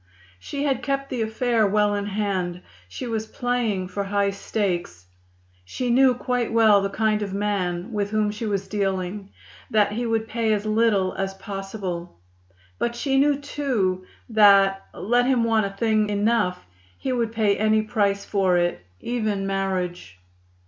She had kept the affair well in hand. She was playing for high stakes. She knew quite well the kind of man with whom she was dealing that he would pay as little as possible. But she knew, too, that, let him want a thing enough, he would pay any price for it, even marriage.